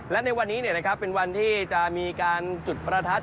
และในวันนี้เป็นวันที่จะมีการจุดประทัด